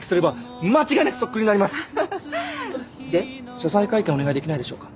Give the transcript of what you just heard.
謝罪会見お願いできないでしょうか？